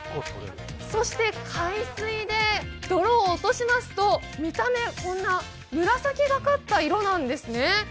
そして海水で泥を落としますと見た目、こんな紫がかった色なんですね。